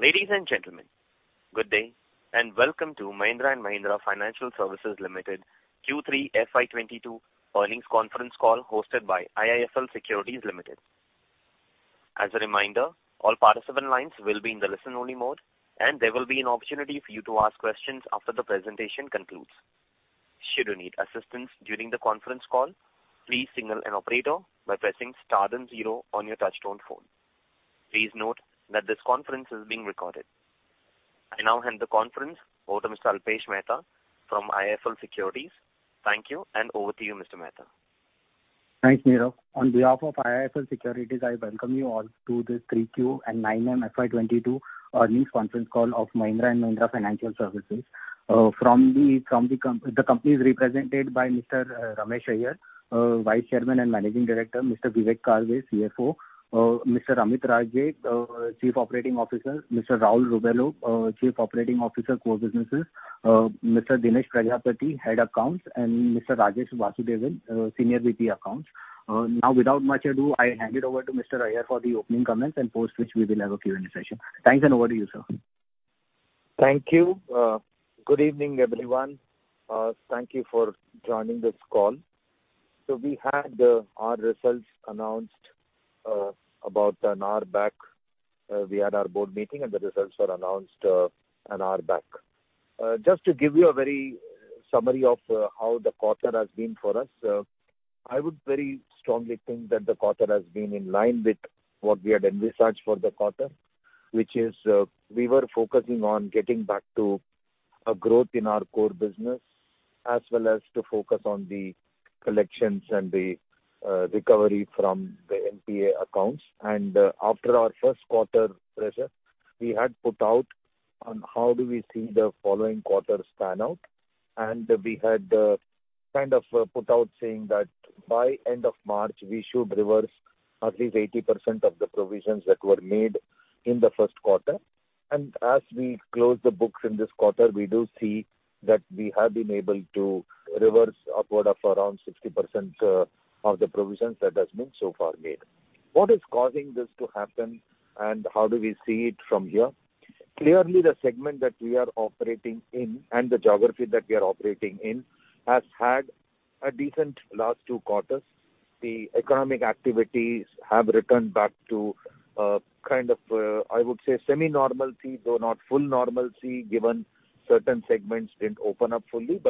Ladies and gentlemen, good day, and welcome to Mahindra & Mahindra Financial Services Limited Q3 FY 2022 earnings conference call hosted by IIFL Securities Limited. As a reminder, all participant lines will be in the listen-only mode, and there will be an opportunity for you to ask questions after the presentation concludes. Should you need assistance during the conference call, please signal an operator by pressing star then zero on your touchtone phone. Please note that this conference is being recorded. I now hand the conference over to Mr. Alpesh Mehta from IIFL Securities. Thank you, and over to you, Mr. Mehta. Thanks, Nirav. On behalf of IIFL Securities, I welcome you all to this Q3 and 9M FY 2022 earnings conference call of Mahindra & Mahindra Financial Services. The company is represented by Mr. Ramesh Iyer, Vice Chairman and Managing Director, Mr. Vivek Karve, CFO, Mr. Amit Rajge, Chief Operating Officer, Mr. Rahul Rebello, Chief Operating Officer, Core Businesses, Mr. Dinesh Prajapati, Head Accounts, and Mr. Rajesh Vasudevan, Senior VP, Accounts. Now without much ado, I hand it over to Mr. Iyer for the opening comments and post which we will have a Q&A session. Thanks, and over to you, sir. Thank you. Good evening, everyone. Thank you for joining this call. We had our results announced about an hour back. We had our board meeting, and the results were announced an hour back. Just to give you a very summary of how the quarter has been for us, I would very strongly think that the quarter has been in line with what we had envisaged for the quarter. Which is, we were focusing on getting back to a growth in our core business as well as to focus on the collections and the recovery from the NPA accounts. After our first quarter pressure, we had put out on how do we see the following quarters pan out. We had kind of put out saying that by end of March, we should reverse at least 80% of the provisions that were made in the first quarter. As we close the books in this quarter, we do see that we have been able to reverse upward of around 60% of the provisions that has been so far made. What is causing this to happen, and how do we see it from here? Clearly, the segment that we are operating in and the geography that we are operating in has had a decent last 2Q. The economic activities have returned back to a kind of, I would say semi-normalcy, though not full normalcy, given certain segments didn't open up fully.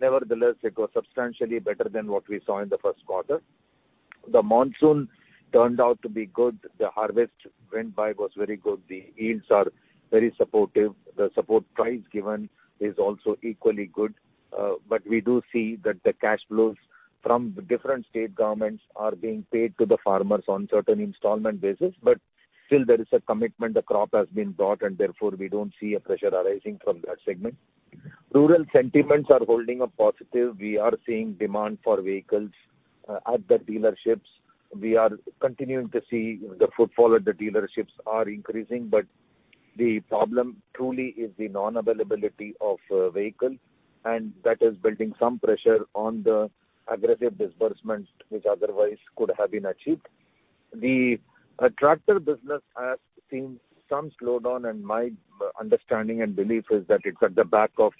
Nevertheless, it was substantially better than what we saw in the first quarter. The monsoon turned out to be good. The harvest went by, was very good. The yields are very supportive. The support price given is also equally good. We do see that the cash flows from different state governments are being paid to the farmers on certain installment basis. Still there is a commitment, the crop has been bought, and therefore, we don't see a pressure arising from that segment. Rural sentiments are holding up positive. We are seeing demand for vehicles at the dealerships. We are continuing to see the footfall at the dealerships are increasing, but the problem truly is the non-availability of vehicles, and that is building some pressure on the aggressive disbursement which otherwise could have been achieved. The tractor business has seen some slowdown, and my understanding and belief is that it's at the back of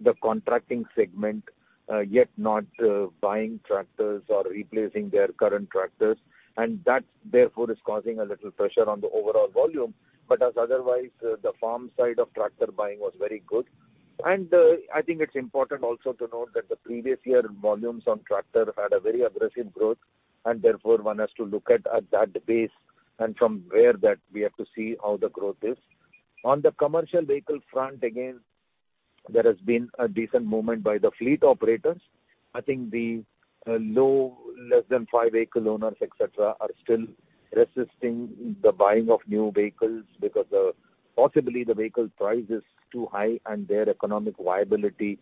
the contracting segment, yet not buying tractors or replacing their current tractors. That, therefore, is causing a little pressure on the overall volume. As otherwise, the farm side of tractor buying was very good. I think it's important also to note that the previous year volumes on tractor had a very aggressive growth and therefore one has to look at that base and from where that we have to see how the growth is. On the commercial vehicle front, again, there has been a decent movement by the fleet operators. I think the less than five vehicle owners, et cetera, are still resisting the buying of new vehicles because possibly the vehicle price is too high and their economic viability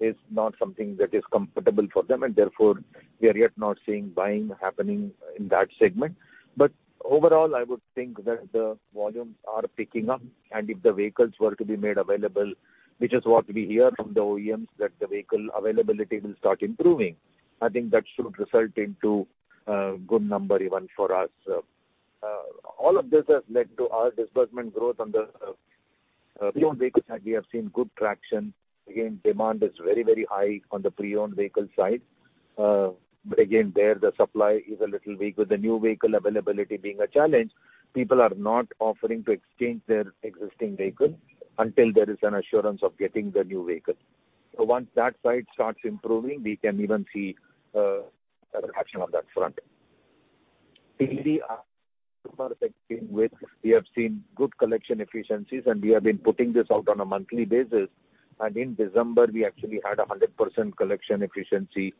is not something that is comfortable for them. Therefore, we are yet not seeing buying happening in that segment. Overall, I would think that the volumes are picking up, and if the vehicles were to be made available, which is what we hear from the OEMs, that the vehicle availability will start improving. I think that should result into a good number even for us. All of this has led to our disbursement growth on the pre-owned vehicle side. We have seen good traction. Again, demand is very, very high on the pre-owned vehicle side. Again, there the supply is a little weak. With the new vehicle availability being a challenge, people are not offering to exchange their existing vehicle until there is an assurance of getting the new vehicle. Once that side starts improving, we can even see better action on that front. Clearly, our customer segment where we have seen good collection efficiencies and we have been putting this out on a monthly basis. In December, we actually had 100% collection efficiency.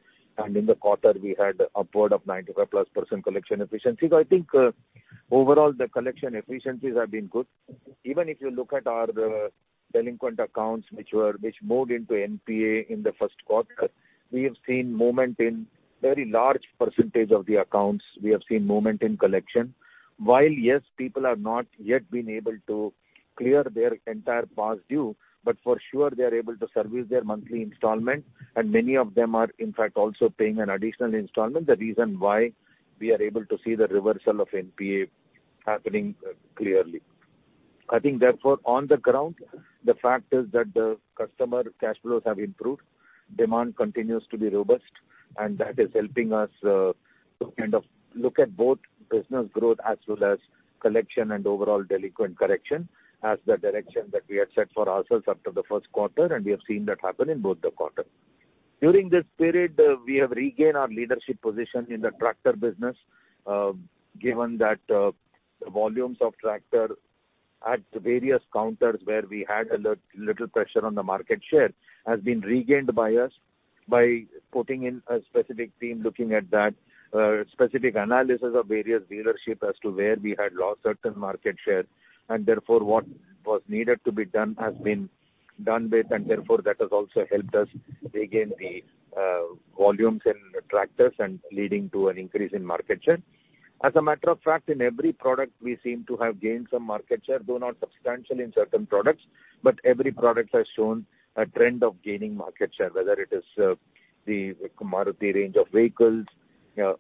In the quarter, we had upward of 95%+ collection efficiency. I think overall the collection efficiencies have been good. Even if you look at our delinquent accounts which moved into NPA in the first quarter, we have seen movement in very large percentage of the accounts. We have seen movement in collection. While, yes, people have not yet been able to clear their entire past due, but for sure they are able to service their monthly installment and many of them are in fact also paying an additional installment. The reason why we are able to see the reversal of NPA happening, clearly. I think therefore, on the ground, the fact is that the customer cash flows have improved, demand continues to be robust, and that is helping us, to kind of look at both business growth as well as collection and overall delinquent correction as the direction that we had set for ourselves after the first quarter, and we have seen that happen in both the quarters. During this period, we have regained our leadership position in the tractor business, given that volumes of tractor at various counters where we had a little pressure on the market share has been regained by us by putting in a specific team looking at that specific analysis of various dealership as to where we had lost certain market share, and therefore what was needed to be done has been done with, and therefore that has also helped us regain the volumes in tractors and leading to an increase in market share. As a matter of fact, in every product we seem to have gained some market share, though not substantial in certain products, but every product has shown a trend of gaining market share, whether it is the Maruti range of vehicles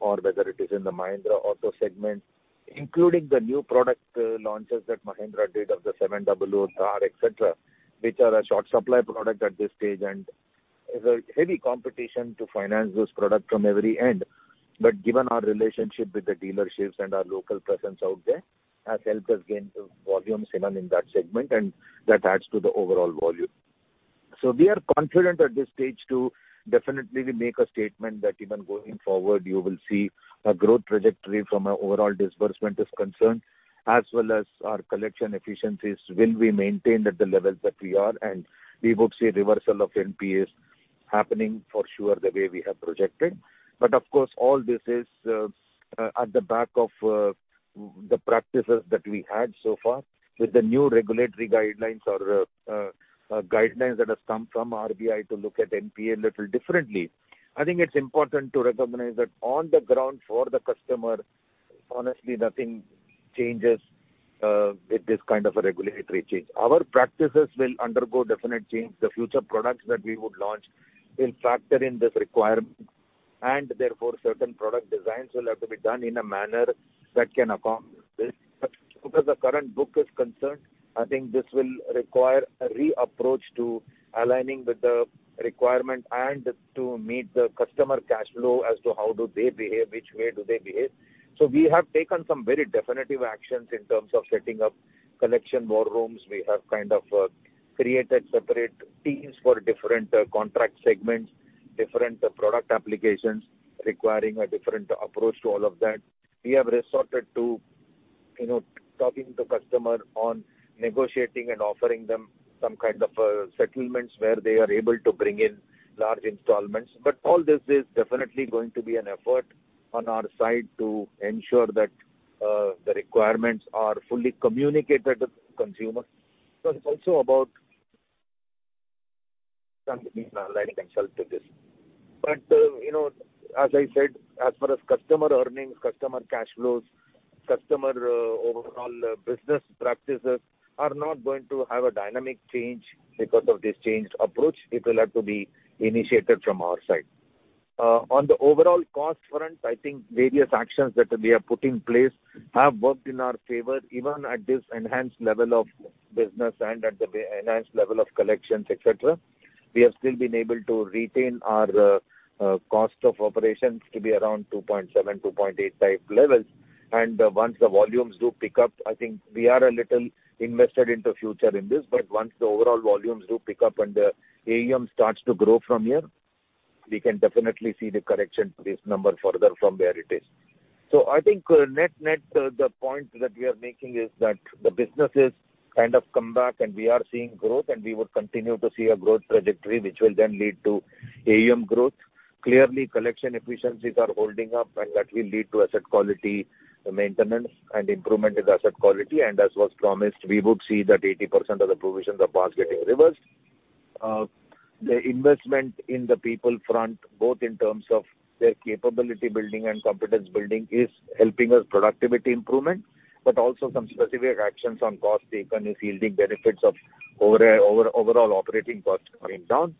or whether it is in the Mahindra auto segment, including the new product launches that Mahindra did of the XUV700, et cetera, which are a short supply product at this stage, and there's a heavy competition to finance those products from every end. Given our relationship with the dealerships and our local presence out there has helped us gain some volumes even in that segment, and that adds to the overall volume. We are confident at this stage to definitely make a statement that even going forward you will see a growth trajectory from our overall disbursement is concerned, as well as our collection efficiencies will be maintained at the levels that we are. We would see a reversal of NPAs happening for sure the way we have projected. Of course, all this is at the back of the practices that we had so far with the new regulatory guidelines or guidelines that have come from RBI to look at NPA a little differently. I think it's important to recognize that on the ground for the customer, honestly, nothing changes with this kind of a regulatory change. Our practices will undergo definite change. The future products that we would launch will factor in this requirement and therefore, certain product designs will have to be done in a manner that can accommodate this. As far as the current book is concerned, I think this will require a reapproach to aligning with the requirement and to meet the customer cash flow as to how do they behave, which way do they behave. We have taken some very definitive actions in terms of setting up collection war rooms. We have kind of created separate teams for different contract segments, different product applications requiring a different approach to all of that. We have resorted to, you know, talking to customer on negotiating and offering them some kind of settlements where they are able to bring in large installments. All this is definitely going to be an effort on our side to ensure that the requirements are fully communicated to the consumer. It's also about this. You know, as I said, as far as customer earnings, customer cash flows, customer overall business practices are not going to have a dynamic change because of this changed approach. It will have to be initiated from our side. On the overall cost front, I think various actions that we have put in place have worked in our favor. Even at this enhanced level of business and at the enhanced level of collections, etc., we have still been able to retain our cost of operations to be around 2.7%-2.8% type levels. Once the volumes do pick up, I think we are a little invested into the future in this. Once the overall volumes do pick up and the AUM starts to grow from here, we can definitely see the correction to this number further from where it is. I think net, the point that we are making is that the business is kind of come back and we are seeing growth and we will continue to see a growth trajectory which will then lead to AUM growth. Clearly, collection efficiencies are holding up and that will lead to asset quality maintenance and improvement in asset quality. As was promised, we would see that 80% of the provisions of past getting reversed. The investment in the people front, both in terms of their capability building and competence building, is helping us productivity improvement, but also some specific actions on cost savings is yielding benefits of overall operating costs coming down.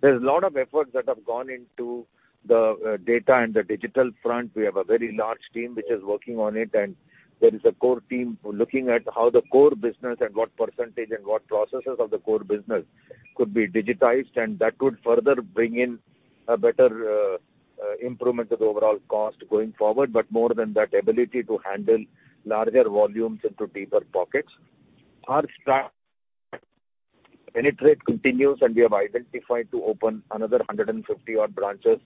There's a lot of efforts that have gone into the data and the digital front. We have a very large team which is working on it, and there is a core team looking at how the core business and what percentage and what processes of the core business could be digitized and that would further bring in a better improvement to the overall cost going forward, more than that ability to handle larger volumes into deeper pockets. Our penetration continues and we have identified to open another 150 odd branches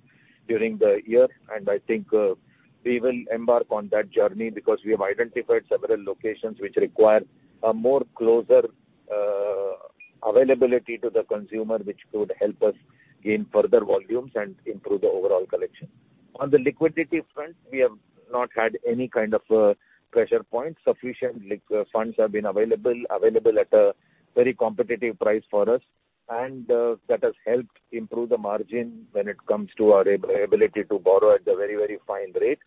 during the year. I think we will embark on that journey because we have identified several locations which require a more closer availability to the consumer, which could help us gain further volumes and improve the overall collection. On the liquidity front, we have not had any kind of pressure points. Sufficient funds have been available at a very competitive price for us, and that has helped improve the margin when it comes to our ability to borrow at a very, very fine rate.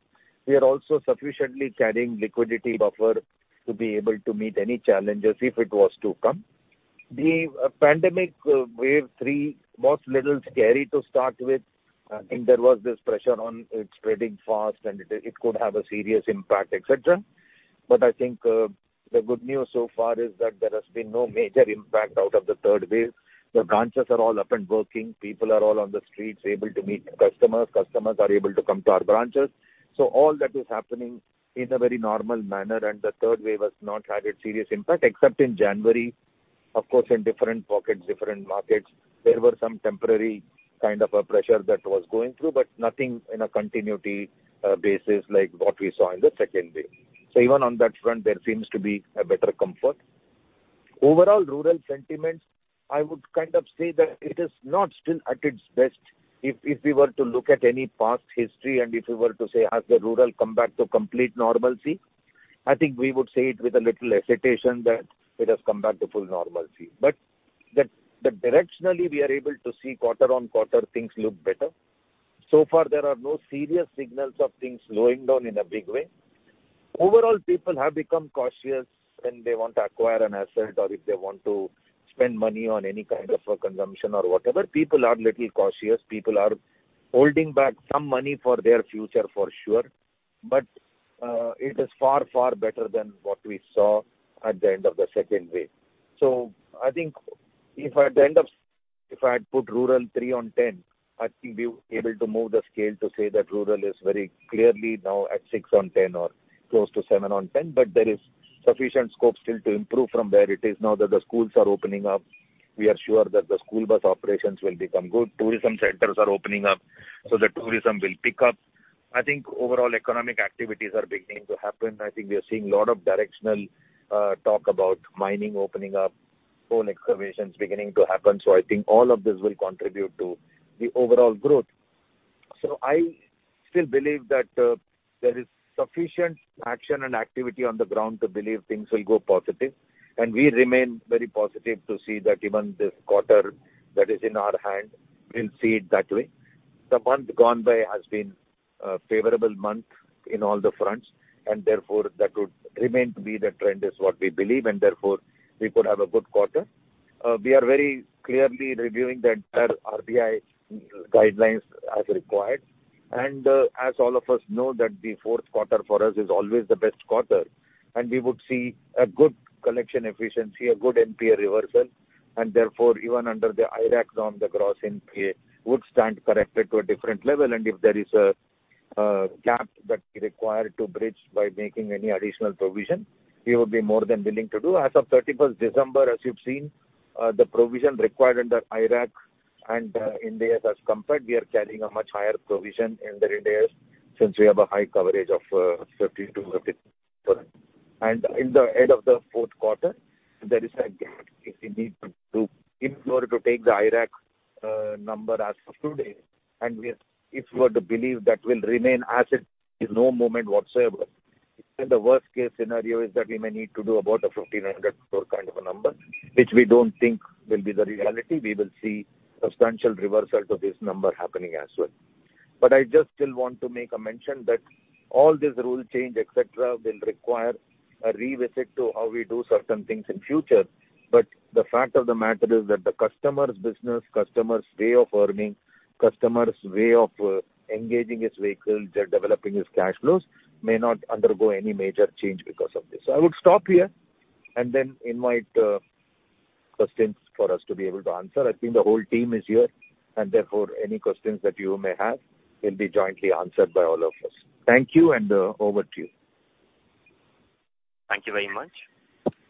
We are also sufficiently carrying liquidity buffer to be able to meet any challenges if it was to come. The pandemic wave three was little scary to start with. I think there was this pressure on it spreading fast, and it could have a serious impact, et cetera. I think the good news so far is that there has been no major impact out of the third wave. The branches are all up and working. People are all on the streets, able to meet customers. Customers are able to come to our branches. All that is happening in a very normal manner, and the third wave has not had a serious impact, except in January. Of course, in different pockets, different markets, there were some temporary kind of a pressure that was going through, but nothing in a continuity basis like what we saw in the second wave. Even on that front, there seems to be a better comfort. Overall rural sentiments, I would kind of say that it is not still at its best. If we were to look at any past history, and if we were to say, "Has the rural come back to complete normalcy?" I think we would say it with a little hesitation that it has come back to full normalcy. But directionally we are able to see quarter-over-quarter things look better. So far, there are no serious signals of things slowing down in a big way. Overall, people have become cautious when they want to acquire an asset or if they want to spend money on any kind of a consumption or whatever. People are a little cautious. People are holding back some money for their future for sure, but, it is far, far better than what we saw at the end of the second wave. If I had put rural 3 on 10, I think we were able to move the scale to say that rural is very clearly now at 6 on 10 or close to 7 on 10. There is sufficient scope still to improve from where it is now that the schools are opening up. We are sure that the school bus operations will become good. Tourism centers are opening up, so the tourism will pick up. I think overall economic activities are beginning to happen. I think we are seeing a lot of directional talk about mining opening up, coal excavations beginning to happen. I think all of this will contribute to the overall growth. I still believe that there is sufficient action and activity on the ground to believe things will go positive, and we remain very positive to see that even this quarter that is in our hand, we'll see it that way. The month gone by has been a favorable month in all the fronts, and therefore that would remain to be the trend is what we believe, and therefore we could have a good quarter. We are very clearly reviewing the entire RBI guidelines as required. As all of us know that the fourth quarter for us is always the best quarter, and we would see a good collection efficiency, a good NPA reversal, and therefore even under the IRAC zone, the gross NPA would stand corrected to a different level. If there is a gap that we require to bridge by making any additional provision, we would be more than willing to do. As of December 31, as you've seen, the provision required under IRAC and Ind AS has come back. We are carrying a much higher provision in the Ind AS since we have a high coverage of 50%-50%. In the end of the fourth quarter, there is a gap if we need to, in order to take the IRAC number as of today. If we were to believe that will remain as it is, no movement whatsoever, then the worst-case scenario is that we may need to do about 1,500 crore kind of a number, which we don't think will be the reality. We will see substantial reversal to this number happening as well. I just still want to make a mention that all this rule change, et cetera, will require a revisit to how we do certain things in future. The fact of the matter is that the customer's business, customer's way of earning, customer's way of engaging his vehicle, developing his cash flows may not undergo any major change because of this. I would stop here and then invite questions for us to be able to answer. I think the whole team is here, and therefore any questions that you may have will be jointly answered by all of us. Thank you and over to you. Thank you very much.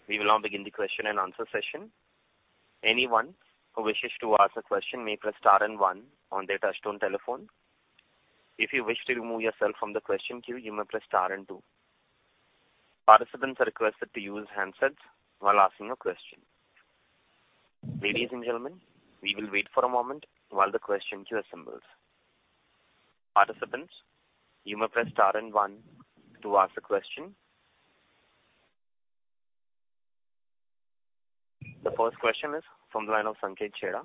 We will now begin the question and answer session. Anyone who wishes to ask a question may press star and one on their touch-tone telephone. If you wish to remove yourself from the question queue, you may press star and two. Participants are requested to use handsets while asking a question. Ladies and gentlemen, we will wait for a moment while the question queue assembles. Participants, you may press star and one to ask a question. The first question is from the line of Sanket Chheda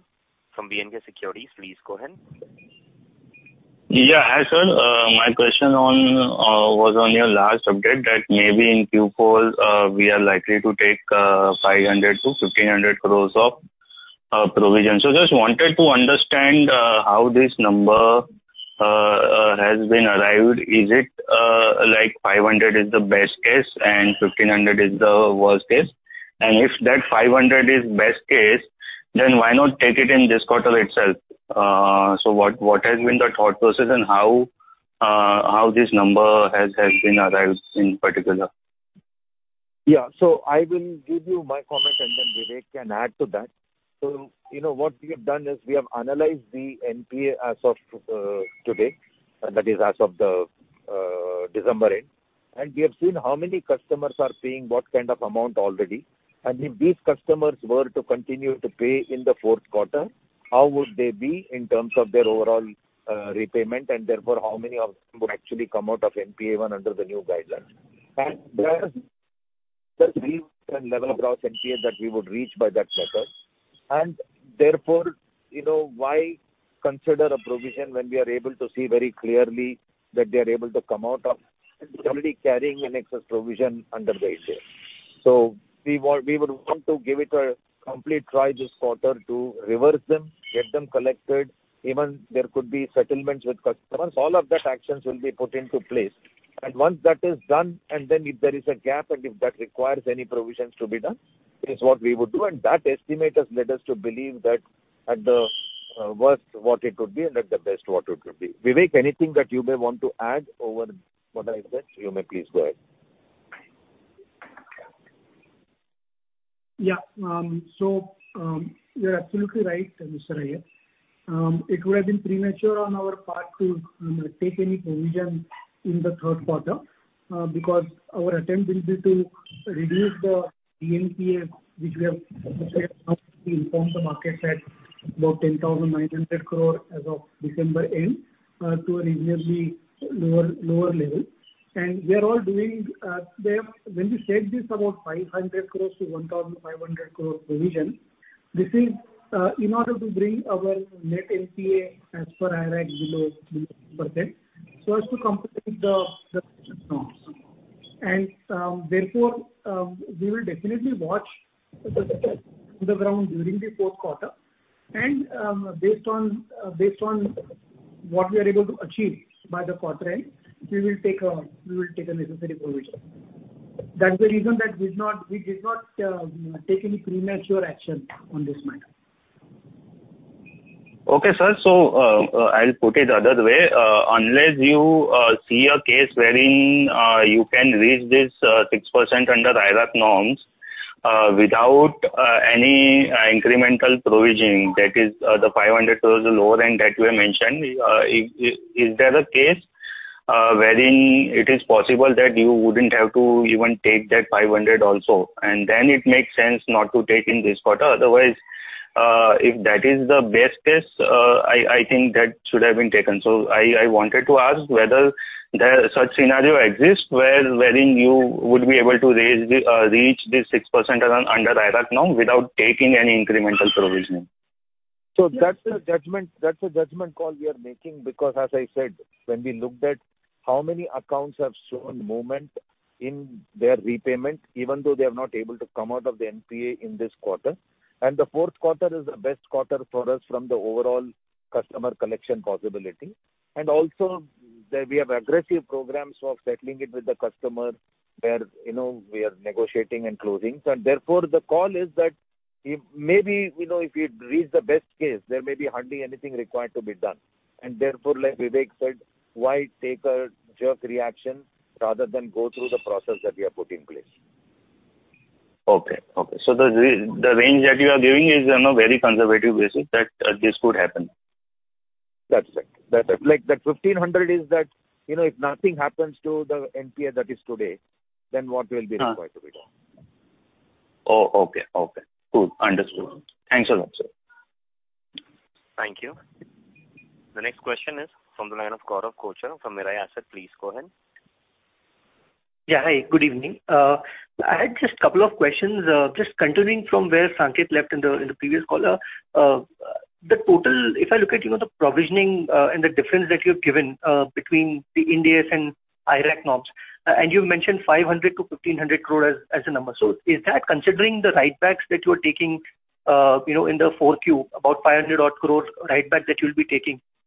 from B&K Securities. Please go ahead. Hi, sir. My question was on your last update that maybe in Q4, we are likely to take 500 crore-1,500 crore of provision. Just wanted to understand how this number has been arrived. Is it like 500 is the best case and 1,500 is the worst case? And if that 500 is best case, then why not take it in this quarter itself? What has been the thought process and how this number has been arrived in particular? Yeah. I will give you my comment, and then Vivek can add to that. You know, what we have done is we have analyzed the NPA as of today, and that is as of the December end. We have seen how many customers are paying what kind of amount already. If these customers were to continue to pay in the fourth quarter, how would they be in terms of their overall repayment, and therefore how many of them would actually come out of NPA one under the new guidelines. There's level of gross NPA that we would reach by that method. Therefore, you know, why consider a provision when we are able to see very clearly that they are able to come out of it, already carrying an excess provision under the IRAC. We want, we would want to give it a complete try this quarter to reverse them, get them collected. Even there could be settlements with customers. All of that actions will be put into place. Once that is done, and then if there is a gap and if that requires any provisions to be done, is what we would do. That estimate has led us to believe that at the worst what it could be and at the best what it could be. Vivek, anything that you may want to add over what I said, you may please go ahead. Yeah. So, you're absolutely right, Ramesh Iyer. It would have been premature on our part to take any provision in the third quarter, because our attempt will be to reduce the NPA, which we have now informed the market at about 10,900 crore as of December end, to a reasonably lower level. We are all doing the. When we said this about 500 crore-1,500 crore provision, this is in order to bring our net NPA as per IRAC below 2% so as to complete the norms. Therefore, we will definitely watch the ground during the fourth quarter and, based on what we are able to achieve by the quarter end, we will take the necessary provision. That's the reason that we did not take any premature action on this matter. Okay, sir. I'll put it the other way. Unless you see a case wherein you can reach this 6% under IRAC norms without any incremental provisioning, that is, the 500 crore lower end that you have mentioned, is there a case wherein it is possible that you wouldn't have to even take that 500 crore also? Then it makes sense not to take in this quarter. Otherwise, if that is the best case, I think that should have been taken. I wanted to ask whether there is such a scenario wherein you would be able to reach this 6% under IRAC now without taking any incremental provisioning. That's a judgment call we are making because as I said, when we looked at how many accounts have shown movement in their repayment, even though they are not able to come out of the NPA in this quarter, and the fourth quarter is the best quarter for us from the overall customer collection possibility. Also that we have aggressive programs of settling it with the customer where, you know, we are negotiating and closing. Therefore, the call is that if maybe, you know, if you reach the best case, there may be hardly anything required to be done. Therefore, like Vivek said, why take a jerk reaction rather than go through the process that we have put in place. Okay. The range that you are giving is on a very conservative basis that this could happen. That's right. That, like, 1,500 is that, you know, if nothing happens to the NPA that is today, then what will be- Uh. Required to be done. Oh, okay. Cool. Understood. Thanks a lot, sir. Thank you. The next question is from the line of Gaurav Kochar from Mirae Asset. Please go ahead. Yeah. Hi, good evening. I had just couple of questions. Just continuing from where Sanket left in the previous call. The total, if I look at, you know, the provisioning, and the difference that you've given, between the Ind AS and IRAC norms, and you mentioned 500 crore-1,500 crore as a number. Is that considering the write-backs that you are taking, you know, in the Q4, about 500 crore write-back that you'll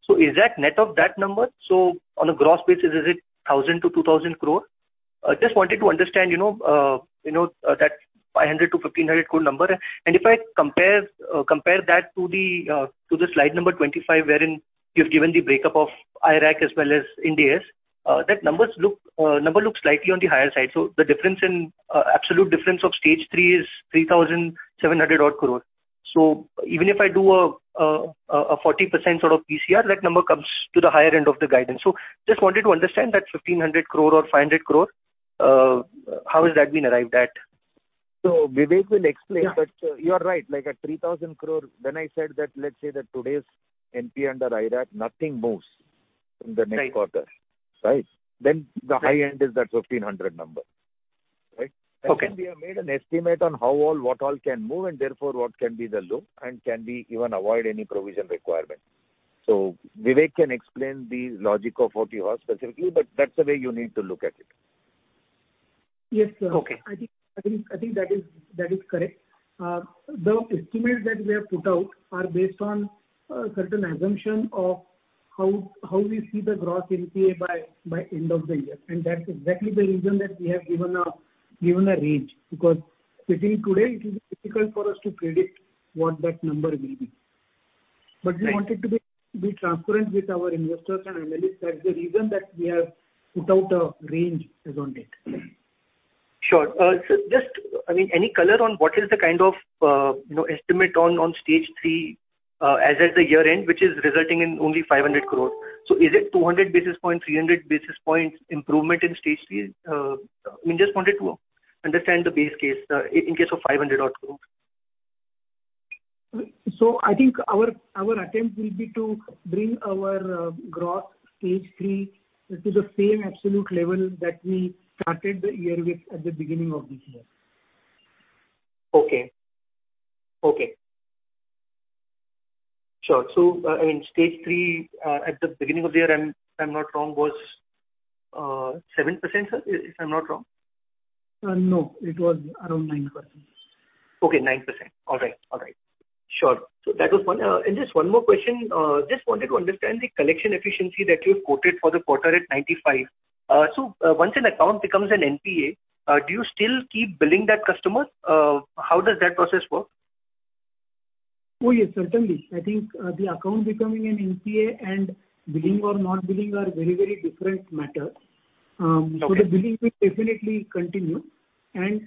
be taking? Is that net of that number? On a gross basis, is it 1,000 crore-2,000 crore? Just wanted to understand, you know, that 500 crore-1,500 crore number. If I compare that to the slide number 25, wherein you've given the breakup of IRAC as well as Ind AS, that number looks slightly on the higher side. The difference in absolute difference of stage three is 3,700-odd crore. Even if I do a 40% sort of PCR, that number comes to the higher end of the guidance. Just wanted to understand that 1,500 crore or 500 crore, how has that been arrived at? Vivek will explain. Yeah. You are right, like at 3,000 crore, then I said that let's say that today's NPA under IRAC, nothing moves in the next quarter. Right. Right? The high end is that 1,500 number. Right? Okay. We have made an estimate on how all, what all can move, and therefore what can be the loan and can we even avoid any provision requirement. Vivek can explain the logic of what he has specifically, but that's the way you need to look at it. Yes, sir. Okay. I think that is correct. The estimates that we have put out are based on a certain assumption of how we see the gross NPA by end of the year. That's exactly the reason that we have given a range, because sitting today it will be difficult for us to predict what that number will be. Right. We wanted to be transparent with our investors and analysts. That's the reason that we have put out a range around it. Sure. Just, I mean, any color on what is the kind of, you know, estimate on stage three, as at the year-end, which is resulting in only 500 crore. Is it 200 basis points, 300 basis points improvement in stage three? I mean, just wanted to understand the base case, in case of 500-odd crore. I think our attempt will be to bring our growth stage three to the same absolute level that we started the year with at the beginning of this year. Okay. Sure. I mean, stage three at the beginning of the year, if I'm not wrong, was 7%, sir, if I'm not wrong? No, it was around 9%. Okay, 9%. All right. Sure. That was one. Just one more question. Just wanted to understand the collection efficiency that you've quoted for the quarter at 95%. Once an account becomes an NPA, do you still keep billing that customer? How does that process work? Oh, yes, certainly. I think, the account becoming an NPA and billing or not billing are very, very different matter. Okay. the billing will definitely continue.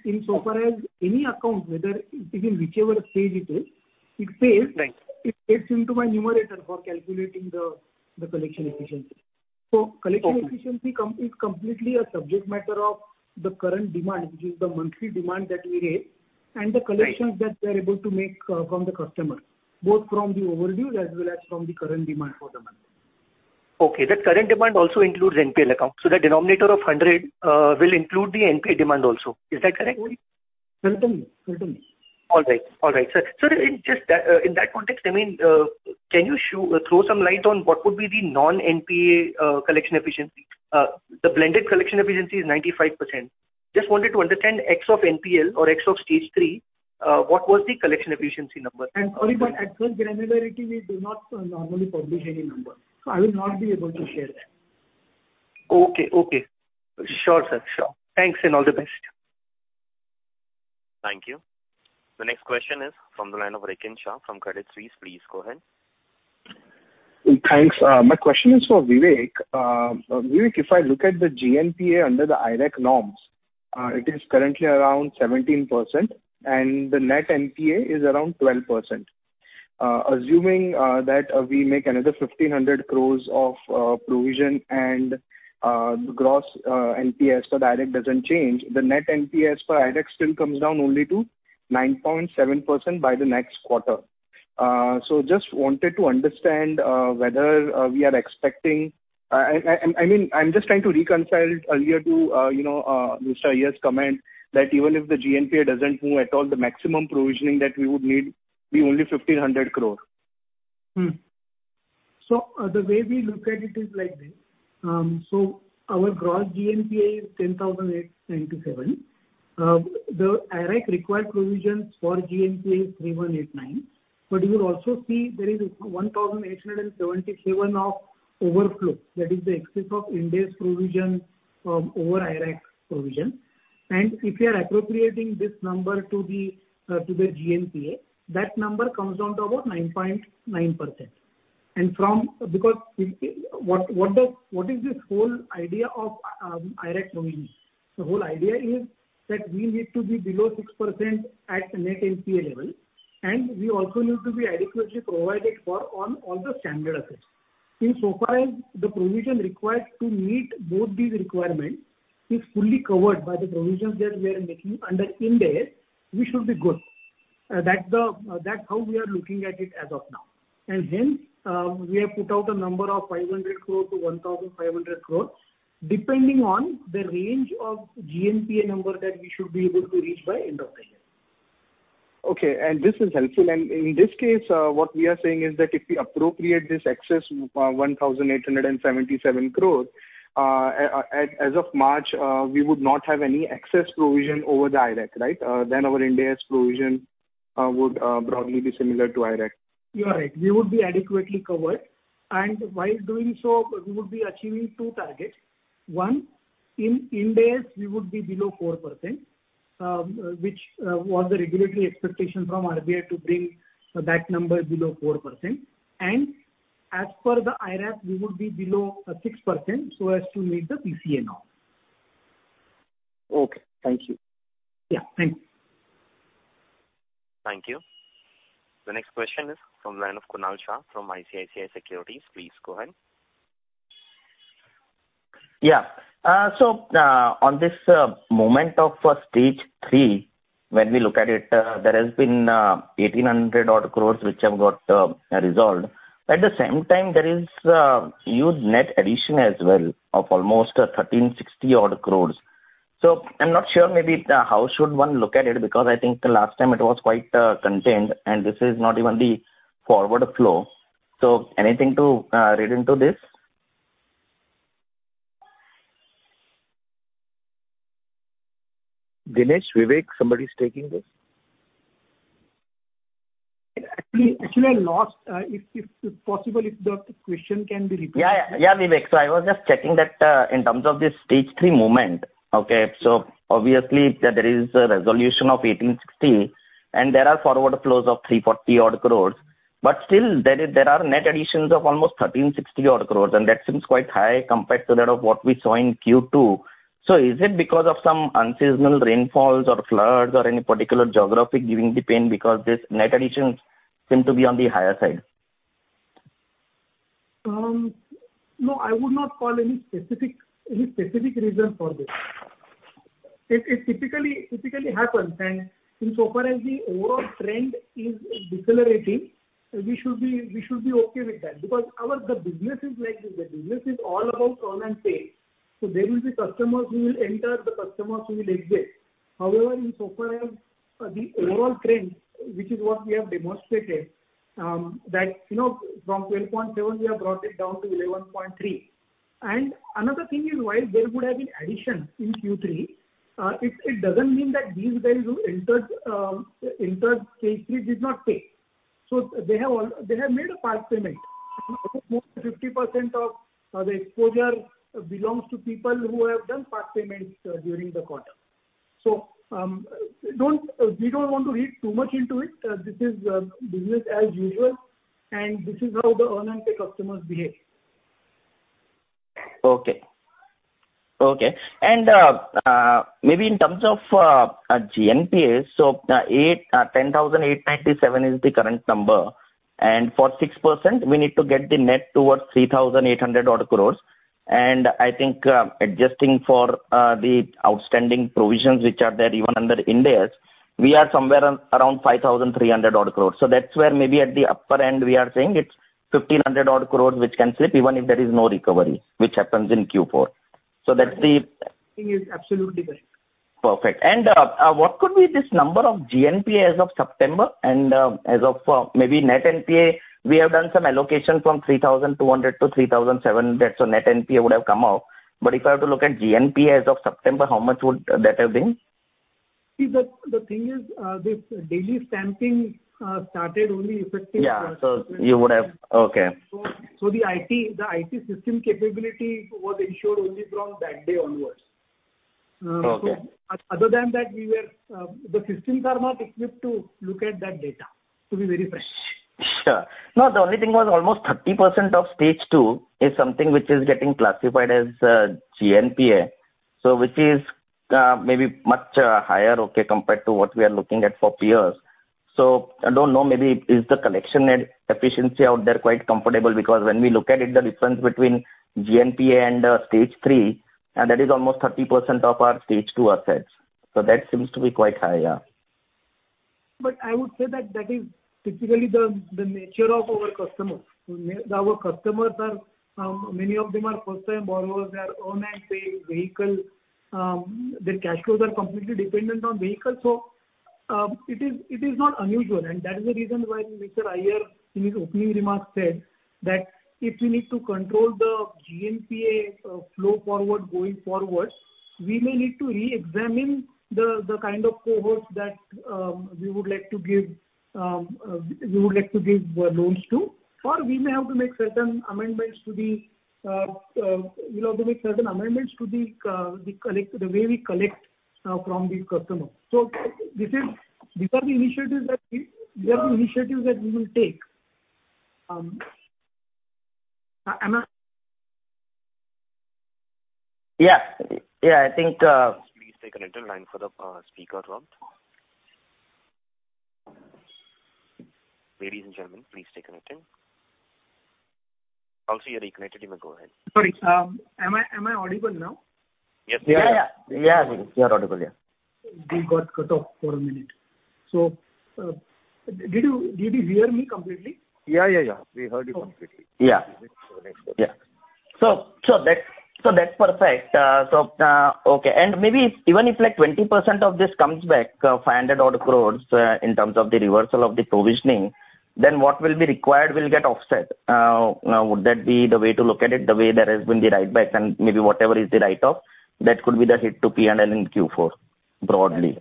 Insofar as any account, whether it is in whichever stage it is, it pays. Right. It pays into my numerator for calculating the collection efficiency. Okay. Collection efficiency is completely a subject matter of the current demand, which is the monthly demand that we raise. Right. The collections that we are able to make, from the customer, both from the overdue as well as from the current demand for the month. Okay. That current demand also includes NPL accounts. The denominator of 100 will include the NPA demand also. Is that correct? Certainly. Certainly. All right. Sir, in just that, in that context, I mean, can you throw some light on what would be the non-NPA collection efficiency? The blended collection efficiency is 95%. Just wanted to understand ex of NPL or ex of stage three, what was the collection efficiency number? I'm sorry, but at current granularity we do not normally publish any number, so I will not be able to share that. Okay. Sure, sir. Thanks and all the best. Thank you. The next question is from the line of Rikin Shah from Credit Suisse. Please go ahead. Thanks. My question is for Vivek. Vivek, if I look at the GNPA under the IRAC norms, it is currently around 17%, and the net NPA is around 12%. Assuming that we make another 1,500 crore of provision and gross NPAs, so the IRAC doesn't change, the net NPAs for IRAC still comes down only to 9.7% by the next quarter. So just wanted to understand whether we are expecting. I mean, I'm just trying to reconcile it earlier to you know Mr. Iyer's comment that even if the GNPA doesn't move at all, the maximum provisioning that we would need be only 1,500 crore. The way we look at it is like this. Our gross GNPA is 10,897. The IRAC required provisions for GNPA is 3,189. But you will also see there is 1,877 of overflow, that is the excess of IndAS provision over IRAC provision. If you are appropriating this number to the GNPA, that number comes down to about 9.9%. What is this whole idea of IRAC doing? The whole idea is that we need to be below 6% at net NPA level, and we also need to be adequately provided for on all the standard assets. Insofar as the provision required to meet both these requirements is fully covered by the provisions that we are making under Ind AS, we should be good. That's how we are looking at it as of now. We have put out a number of 500 crore-1,500 crore, depending on the range of GNPA number that we should be able to reach by end of the year. Okay. This is helpful. In this case, what we are saying is that if we appropriate this excess 1,877 crore as of March, we would not have any excess provision over the IRAC, right? Then our Ind AS provision would broadly be similar to IRAC. You are right. We would be adequately covered. While doing so, we would be achieving two targets. One, in Ind AS we would be below 4%, which was the regulatory expectation from RBI to bring that number below 4%. As per the IRAC, we would be below 6% so as to meet the PCA norm. Okay. Thank you. Yeah. Thank you. Thank you. The next question is from the line of Kunal Shah from ICICI Securities. Please go ahead. Yeah. On this moment of stage three, when we look at it, there has been 1,800 odd crores which have got resolved. At the same time, there is huge net addition as well of almost 1,360 odd crores. I'm not sure maybe how should one look at it, because I think the last time it was quite contained, and this is not even the forward flow. Anything to read into this? Dinesh, Vivek, somebody's taking this? Actually I lost. If possible, if the question can be repeated. Yeah, yeah. Yeah, Vivek. I was just checking that, in terms of this Stage 3 movement, okay. Obviously there is a resolution of 1,860 crores, and there are forward flows of 340 odd crores. But still there is, there are net additions of almost 1,360 odd crores, and that seems quite high compared to that of what we saw in Q2. Is it because of some unseasonal rainfalls or floods or any particular geography giving the pain because this net additions seem to be on the higher side? No, I would not call any specific reason for this. It typically happens and insofar as the overall trend is decelerating, we should be okay with that because the business is like this. The business is all about earn and pay. There will be customers who will enter, customers who will exit. However, insofar as the overall trend, which is what we have demonstrated, that you know, from 12.7% we have brought it down to 11.3%. Another thing is, while there would have been additions in Q3, it doesn't mean that these guys who entered stage three did not pay. They have all made a part payment. I think more than 50% of the exposure belongs to people who have done part payments during the quarter. We don't want to read too much into it. This is business as usual, and this is how the earn and pay customers behave. Okay. Maybe in terms of GNPA, so 810,897 is the current number. For 6% we need to get the net towards 3,800 odd crores. I think adjusting for the outstanding provisions which are there even under Ind AS, we are somewhere around 5,300 odd crores. That's where maybe at the upper end we are saying it's 1,500 odd crores which can slip even if there is no recovery, which happens in Q4. That's the- Thing is absolutely right. Perfect. What could be this number of GNPA as of September and as of maybe net NPA, we have done some allocation from 3,200 to 3,700 that's so net NPA would have come out. But if I have to look at GNPA as of September, how much would that have been? See, the thing is, this daily stamping started only effective. Yeah. Okay. The IT system capability was ensured only from that day onwards. Okay. Other than that, the systems are not equipped to look at that data to be very fresh. Sure. No, the only thing was almost 30% of Stage 2 is something which is getting classified as GNPA. Which is maybe much higher, okay, compared to what we are looking at for peers. I don't know, maybe is the collection efficiency out there quite comfortable? Because when we look at it, the difference between GNPA and Stage 3, and that is almost 30% of our Stage 2 assets, so that seems to be quite high. Yeah. I would say that that is typically the nature of our customers. Our customers are many of them first time borrowers. They are earn and pay vehicle, their cash flows are completely dependent on vehicle. It is not unusual. That is the reason why Mr. Iyer in his opening remarks said that if we need to control the GNPA flow going forward, we may need to reexamine the kind of cohorts that we would like to give loans to. Or we may have to make certain amendments to the way we collect from these customers. These are the initiatives that we will take. Um, am I- Yeah. Yeah, I think, Please take an interline for the, uh, speaker to help. Ladies and gentlemen, please stay connected. Also you're reconnected, you may go ahead. Sorry. Am I audible now? Yes. Yeah. Yeah. You are audible. Yeah. We got cut off for a minute. Did you hear me completely? Yeah, yeah. We heard you completely. Yeah. That's perfect. Okay. Maybe even if like 20% of this comes back, 500 odd crores in terms of the reversal of the provisioning, then what will be required will get offset. Would that be the way to look at it, the way there has been the write back and maybe whatever is the write off, that could be the hit to PNL in Q4, broadly?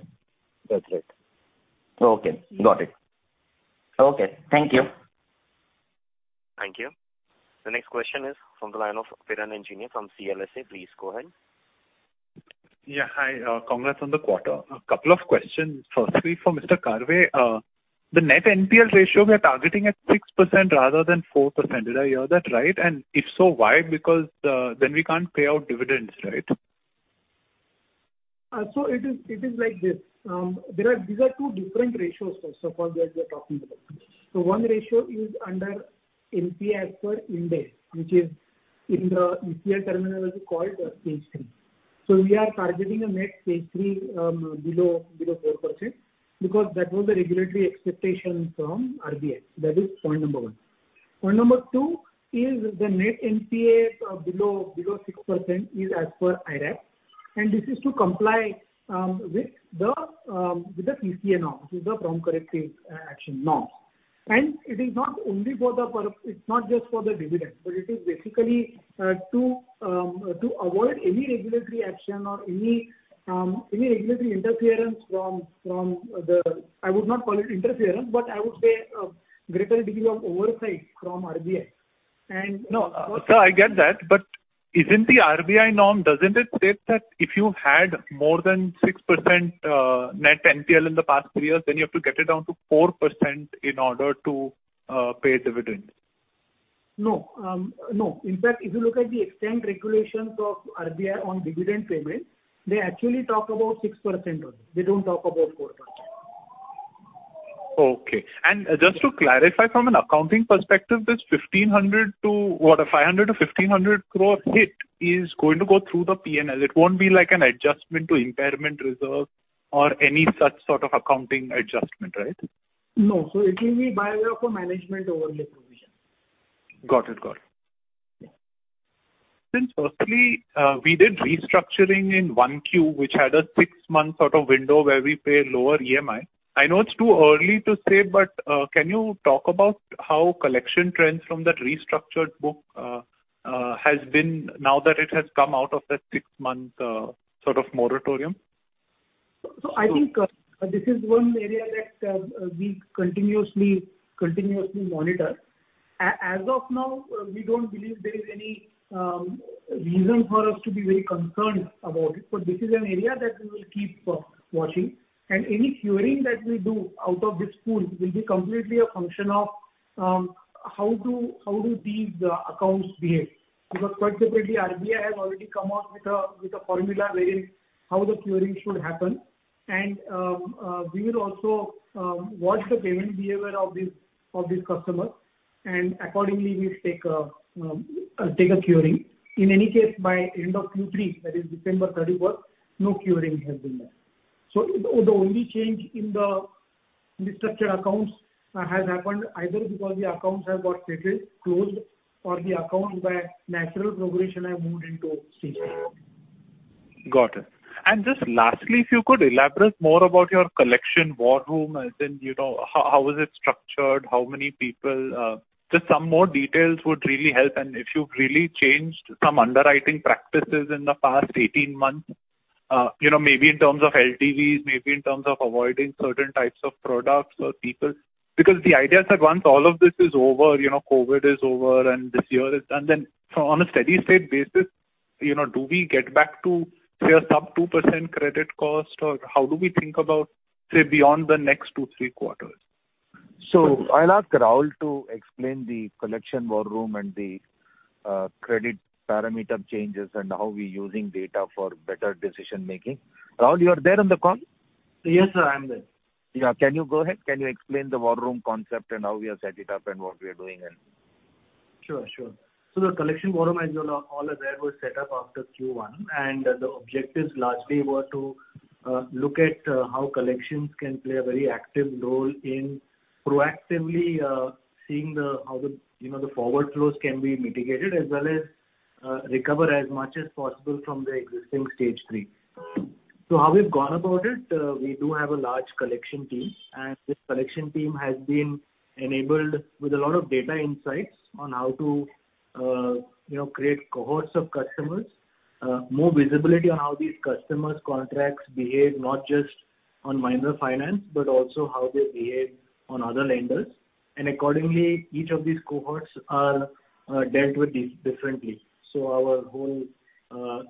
That's right. Okay. Got it. Okay. Thank you. Thank you. The next question is from the line of Viren Engineer from CLSA. Please go ahead. Yeah. Hi, congrats on the quarter. A couple of questions. Firstly, for Mr. Karve, the net NPL ratio we are targeting at 6% rather than 4%. Did I hear that right? If so, why? Because, then we can't pay out dividends, right? It is like this. These are two different ratios first of all that we are talking about. One ratio is under NPA as per Ind AS, which is in the NPA terminology called stage three. We are targeting a net stage three below 4% because that was the regulatory expectation from RBI. That is point number one. Point number two is the net NPA below 6% as per IRAC, and this is to comply with the PCA norm. This is the Prompt Corrective Action norms. It is not just for the dividend, but it is basically to avoid any regulatory action or any regulatory interference from the... I would not call it interference, but I would say, greater degree of oversight from RBI. No. Sir, I get that. Isn't the RBI norm? Doesn't it state that if you had more than 6% net NPL in the past three years, then you have to get it down to 4% in order to pay a dividend? No. In fact, if you look at the extant regulations of RBI on dividend payment, they actually talk about 6% only. They don't talk about 4%. Okay. Just to clarify from an accounting perspective, this 500 crore-1,500 crore hit is going to go through the P&L. It won't be like an adjustment to impairment reserve or any such sort of accounting adjustment, right? No. It will be by way of a management overlay provision. Got it. Since firstly, we did restructuring in 1Q, which had a six-month sort of window where we pay lower EMI. I know it's too early to say, but can you talk about how collection trends from that restructured book has been now that it has come out of that six-month sort of moratorium? I think this is one area that we continuously monitor. As of now, we don't believe there is any reason for us to be very concerned about it, but this is an area that we will keep watching, and any curing that we do out of this pool will be completely a function of how these accounts behave. Because quite separately, RBI has already come out with a formula wherein how the curing should happen. We will also watch the payment behavior of these customers, and accordingly we'll take a curing. In any case by end of Q3, that is December thirty-first, no curing has been done. The only change in the restructured accounts has happened either because the accounts have got settled, closed, or the accounts by natural progression have moved into CC. Got it. Just lastly, if you could elaborate more about your collection war room, as in, you know, how is it structured, how many people, just some more details would really help. If you've really changed some underwriting practices in the past 18 months, you know, maybe in terms of LTVs, maybe in terms of avoiding certain types of products or people. Because the idea is that once all of this is over, you know, COVID is over and this year is done, then on a steady-state basis, you know, do we get back to say a sub 2% credit cost or how do we think about, say, beyond the next two, three quarters? I'll ask Rahul to explain the collection war room and the credit parameter changes and how we're using data for better decision-making. Rahul, you are there on the call? Yes, sir, I am there. Yeah. Can you go ahead? Can you explain the war room concept and how we have set it up and what we are doing? Sure, sure. The collection war room, as you're all aware, was set up after Q1, and the objectives largely were to look at how collections can play a very active role in proactively seeing how the forward flows can be mitigated as well as recover as much as possible from the existing stage three. How we've gone about it, we do have a large collection team, and this collection team has been enabled with a lot of data insights on how to you know create cohorts of customers, more visibility on how these customers' contracts behave not just on Mahindra Finance, but also how they behave on other lenders. Accordingly, each of these cohorts are dealt with differently. Our whole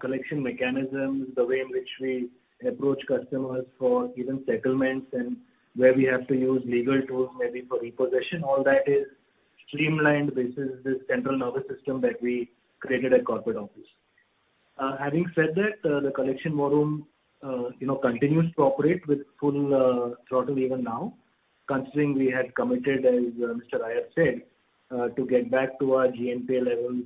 collection mechanism, the way in which we approach customers for even settlements and where we have to use legal tools, maybe for repossession, all that is streamlined basis this central nervous system that we created at corporate office. Having said that, the collection war room, you know, continues to operate with full throttle even now. Considering we had committed, as Mr. Raya has said, to get back to our GNPA levels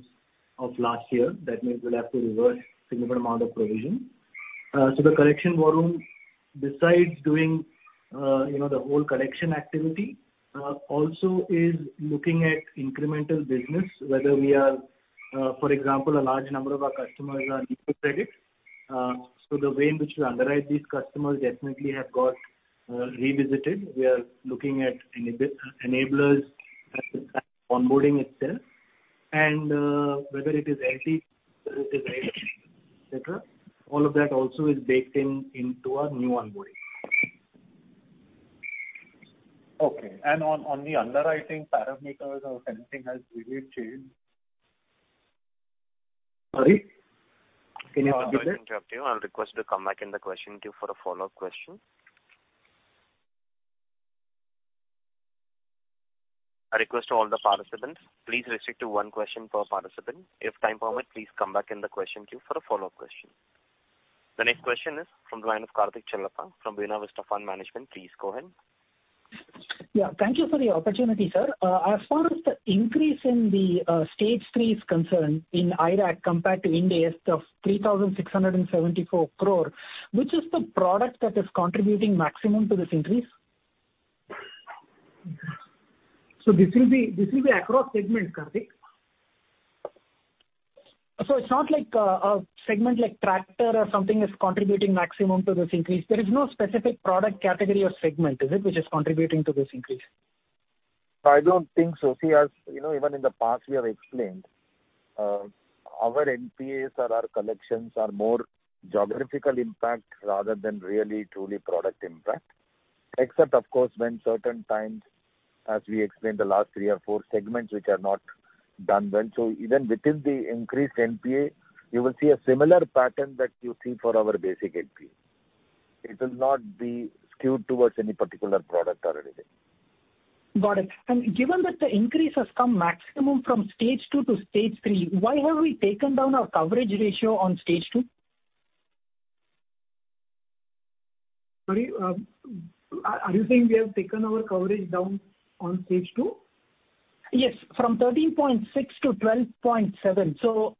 of last year. That means we'll have to reverse significant amount of provision. The collection war room, besides doing, you know, the whole collection activity, also is looking at incremental business, whether we are, for example, a large number of our customers are new to credit. The way in which we underwrite these customers definitely have got revisited. We are looking at enablers at the time of onboarding itself. Whether it is LT, whether it is IT, et cetera, all of that also is baked in, into our new onboarding. Okay. On the underwriting parameters or if anything has really changed? Sorry. Can you repeat it? I'm sorry to interrupt you. I'll request you to come back in the question queue for a follow-up question. A request to all the participants. Please restrict to one question per participant. If time permit, please come back in the question queue for a follow-up question. The next question is from the line of Karthik Chellappa from Buena Vista Fund Management. Please go ahead. Yeah, thank you for the opportunity, sir. As far as the increase in the stage three is concerned in IRAC compared to prior is 3,674 crore, which is the product that is contributing maximum to this increase? This will be across segments, Kartik. It's not like a segment like tractor or something is contributing maximum to this increase. There is no specific product category or segment, is it, which is contributing to this increase? I don't think so. See, as you know, even in the past we have explained, our NPAs or our collections are more geographical impact rather than really truly product impact. Except of course, when certain times, as we explained the last three or four segments which are not done well. Even within the increased NPA, you will see a similar pattern that you see for our basic NP. It will not be skewed towards any particular product or anything. Got it. Given that the increase has come maximum from stage two to stage three, why have we taken down our coverage ratio on stage two? Sorry, are you saying we have taken our coverage down on stage two? Yes. From 13.6 to 12.7.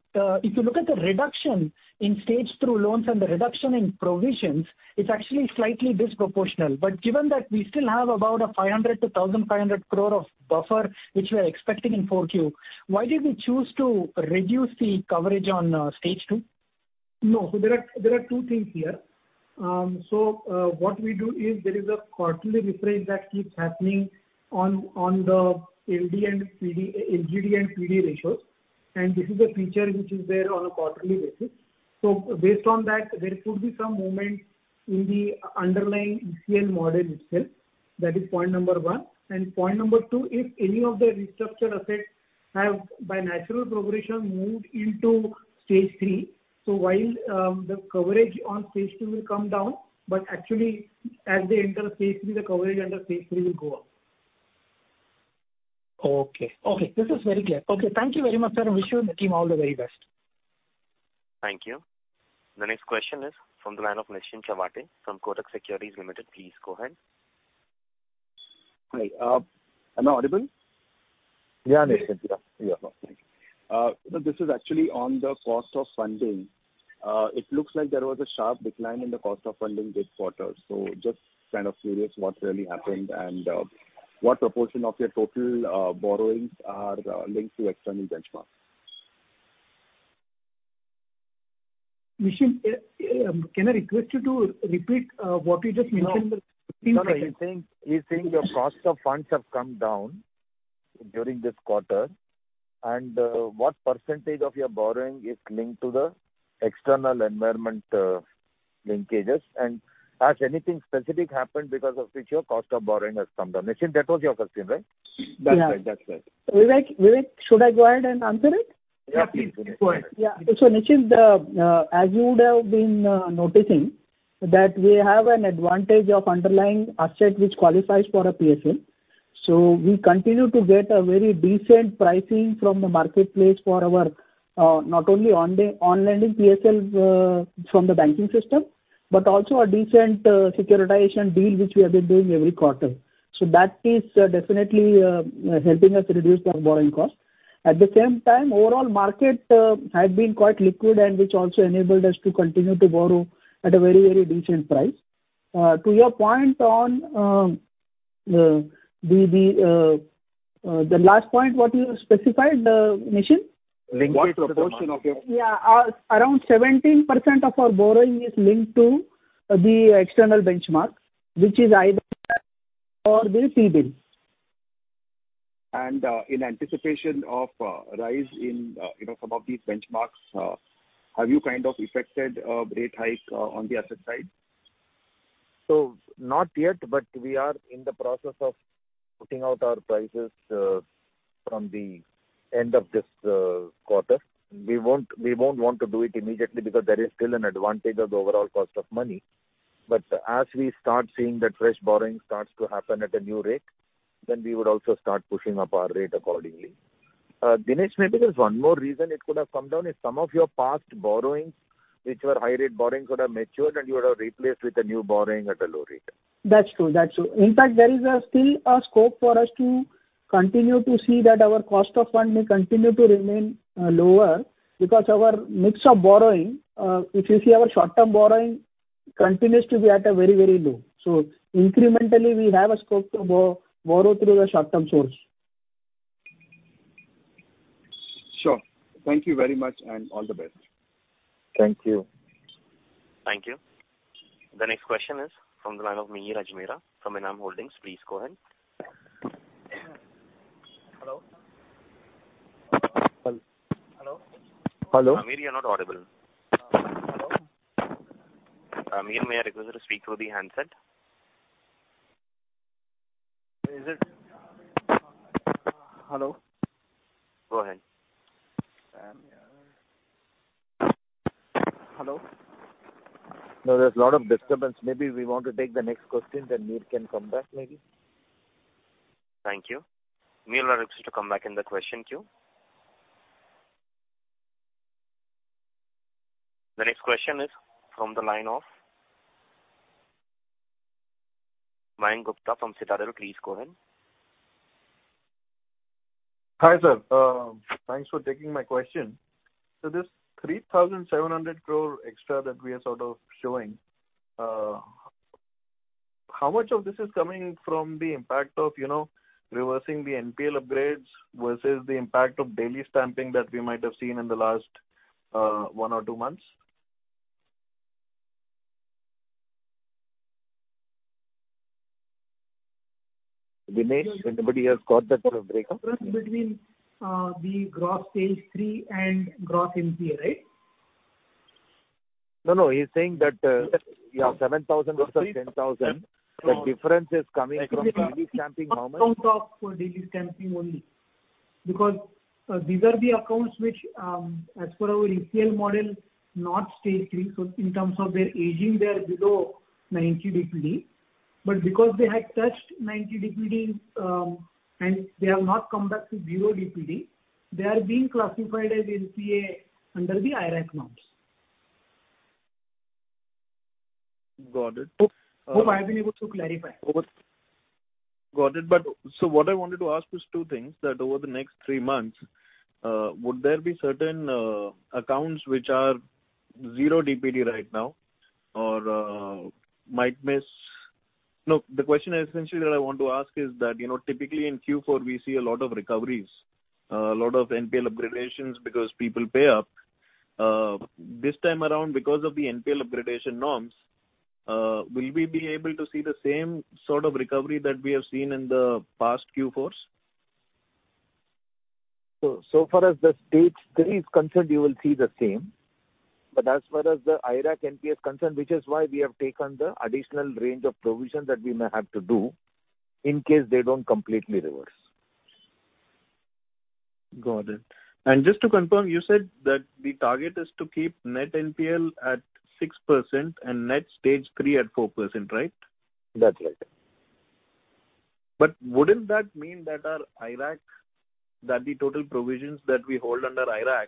If you look at the reduction in stage two loans and the reduction in provisions, it's actually slightly disproportional. Given that we still have about 500 crore-1,500 crore of buffer, which we are expecting in Q4, why did we choose to reduce the coverage on stage two? No. There are two things here. What we do is there is a quarterly refresh that keeps happening on the LGD and PD ratios, and this is a feature which is there on a quarterly basis. Based on that, there could be some movement in the underlying ECL model itself. That is point number one. Point number two, if any of the restructured assets have by natural progression moved into stage three, while the coverage on stage two will come down, actually as they enter stage three, the coverage under stage three will go up. Okay. Okay, this is very clear. Okay, thank you very much, sir, and wish you and the team all the very best. Thank you. The next question is from the line of Nischint Chawathe from Kotak Securities Limited. Please go ahead. Hi. Am I audible? Yeah, Nischint. Yeah, yeah. Oh, thank you. This is actually on the cost of funding. It looks like there was a sharp decline in the cost of funding this quarter. Just kind of curious what really happened and what proportion of your total borrowings are linked to external benchmarks. Nischint, can I request you to repeat what you just mentioned? No. 15 seconds. He's saying your cost of funds have come down during this quarter, and what percentage of your borrowing is linked to the external environment, linkages, and has anything specific happened because of which your cost of borrowing has come down? Nischint, that was your question, right? That's right. That's right. Yeah. Vivek, should I go ahead and answer it? Yeah, please. Go ahead. Yeah. Nischint, as you would have been noticing that we have an advantage of underlying asset which qualifies for a PSL. We continue to get a very decent pricing from the marketplace for our not only on the on-lending PSLs from the banking system, but also a decent securitization deal, which we have been doing every quarter. That is definitely helping us reduce our borrowing costs. At the same time, overall market had been quite liquid, and which also enabled us to continue to borrow at a very, very decent price. To your point on the last point, what you specified, Nischint? Linkage to the benchmark. What proportion of your Yeah. Around 17% of our borrowing is linked to the external benchmarks, which is either repo or the T-bills. In anticipation of rise in you know some of these benchmarks, have you kind of effected a rate hike on the asset side? Not yet, but we are in the process of putting out our prices from the end of this quarter. We won't want to do it immediately because there is still an advantage of the overall cost of money. As we start seeing that fresh borrowing starts to happen at a new rate, then we would also start pushing up our rate accordingly. Dinesh, maybe there's one more reason it could have come down is some of your past borrowings, which were high rate borrowings could have matured and you would have replaced with a new borrowing at a low rate. That's true. In fact, there is still a scope for us to continue to see that our cost of fund may continue to remain lower because our mix of borrowing, if you see, our short-term borrowing continues to be at a very, very low. So incrementally, we have a scope to borrow through a short-term source. Sure. Thank you very much and all the best. Thank you. Thank you. The next question is from the line of Mihir Ajmera from ENAM Holdings. Please go ahead. Hello? Hello? Hello. Mihir, you're not audible. Hello? Mihir, may I request you to speak through the handset? Hello? Go ahead. Hello? No, there's a lot of disturbance. Maybe we want to take the next question, then Mihir can come back maybe. Thank you. Mihir, I request you to come back in the question queue. The next question is from the line of Mayank Gupta from Citadel. Please go ahead. Hi, sir. Thanks for taking my question. This 3,700 crore extra that we are sort of showing, how much of this is coming from the impact of, you know, reversing the NPL upgrades versus the impact of daily stamping that we might have seen in the last, one or two months? Dinesh, anybody has got that kind of breakdown? Difference between the gross stage three and gross NPA, right? No, no. He's saying that, yeah, 7,000 versus 10,000. The difference is coming from daily stamping normal. Accounts off for daily stamping only because these are the accounts which, as per our ECL model, are not Stage 3. In terms of their aging, they are below 90 days today. Because they had touched 90 DPD and they have not come back to 0 DPD, they are being classified as NPAs under the IRAC norms. Got it. Hope I've been able to clarify. Got it. What I wanted to ask is two things. The question essentially that I want to ask is that, you know, typically in Q4 we see a lot of recoveries, a lot of NPL upgradations because people pay up. This time around because of the NPL upgradation norms, will we be able to see the same sort of recovery that we have seen in the past Q4s? So far as the stage three is concerned, you will see the same. As far as the IRAC NPL is concerned, which is why we have taken the additional range of provision that we may have to do in case they don't completely reverse. Got it. Just to confirm, you said that the target is to keep net NPL at 6% and net stage three at 4%, right? That's right. Wouldn't that mean that our IRAC, that the total provisions that we hold under IRAC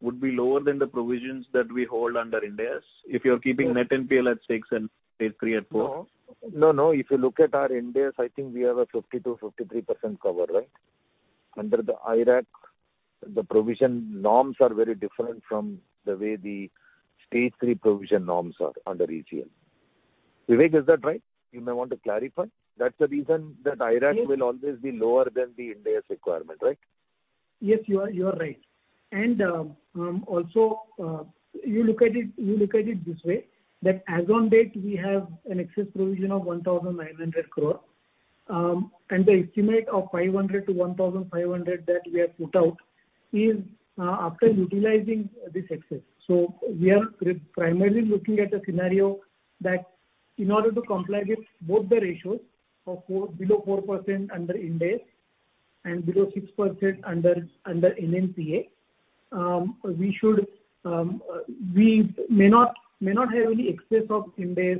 would be lower than the provisions that we hold under Ind AS, if you're keeping net NPL at 6% and stage three at 4%? No. No, no. If you look at our Ind AS, I think we have a 50%-53% cover, right? Under the IRAC, the provision norms are very different from the way the stage three provision norms are under ECL. Vivek, is that right? You may want to clarify. That's the reason that IRAC will always be lower than the Ind AS requirement, right? Yes, you are right. You look at it this way, that as on date, we have an excess provision of 1,900 crore, and the estimate of 500-1,500 that we have put out is after utilizing this excess. We are primarily looking at a scenario that in order to comply with both the ratios below 4% under Ind AS and below 6% under NNPA, we may not have any excess of Ind AS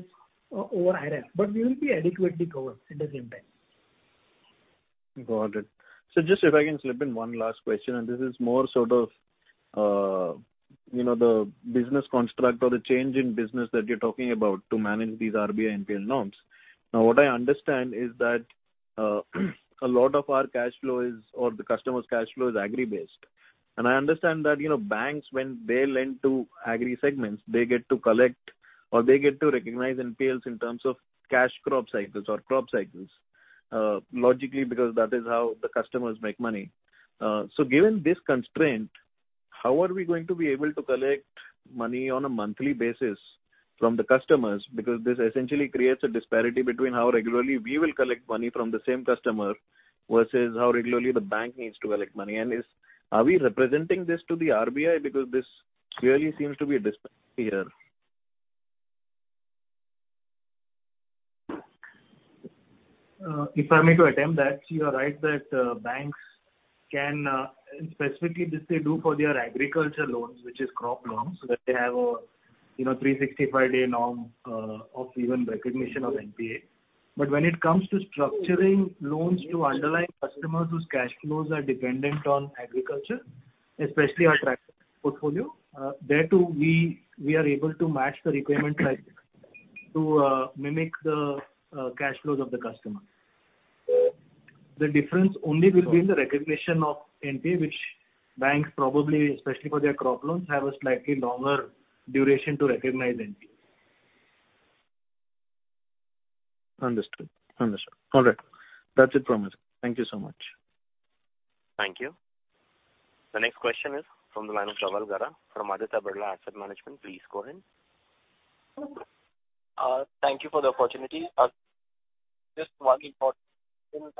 over IRAC, but we will be adequately covered at the same time. Got it. Just if I can slip in one last question, and this is more sort of, you know, the business construct or the change in business that you're talking about to manage these RBI NPL norms. Now, what I understand is that, a lot of our cash flow is, or the customer's cash flow is agri-based. I understand that, you know, banks, when they lend to agri segments, they get to collect or they get to recognize NPLs in terms of cash crop cycles or crop cycles, logically because that is how the customers make money. Given this constraint, how are we going to be able to collect money on a monthly basis from the customers? Because this essentially creates a disparity between how regularly we will collect money from the same customer versus how regularly the bank needs to collect money. Are we representing this to the RBI? Because this clearly seems to be a disparity here. If I may attempt that. You are right that banks can and specifically they do for their agriculture loans, which is crop loans, so that they have a you know 365-day norm of income recognition of NPA. When it comes to structuring loans to underlying customers whose cash flows are dependent on agriculture, especially our tractor portfolio, there too we are able to match the requirement cycle to mimic the cash flows of the customer. The difference only will be in the recognition of NPA, which banks probably especially for their crop loans have a slightly longer duration to recognize NPA. Understood. All right. That's it from us. Thank you so much. Thank you. The next question is from the line of Rahul Garg from Aditya Birla Asset Management. Please go ahead. Thank you for the opportunity. Just one important question.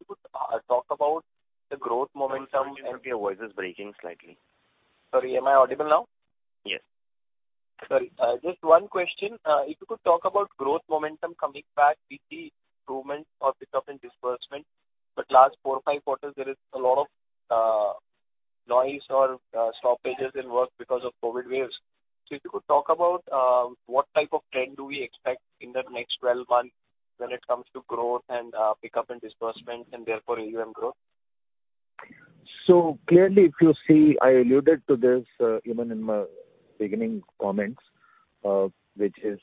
If you could, talk about the growth momentum and. Sir, sorry. Your voice is breaking slightly. Sorry. Am I audible now? Yes. Sorry. Just one question. If you could talk about growth momentum coming back with the improvement of pickup in disbursement. Last four or five quarters, there is a lot of noise or stoppages in work because of COVID waves. If you could talk about what type of trend do we expect in the next twelve months when it comes to growth and pickup in disbursements and therefore AUM growth? Clearly, if you see, I alluded to this, even in my beginning comments, which is,